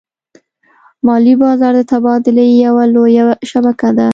مالي بازار د تبادلې یوه لویه شبکه ده.